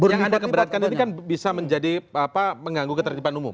yang anda keberatkan ini kan bisa menjadi mengganggu ketertiban umum